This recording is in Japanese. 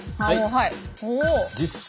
はい！